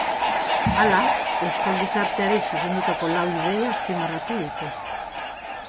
Hala, euskal gizarteari zuzendutako lau ideia azpimarratu ditu.